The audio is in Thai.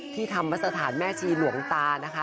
ที่ทำมาสถานแม่ชีหลวงตานะคะ